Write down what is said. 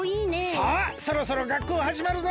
さあそろそろがっこうはじまるぞ！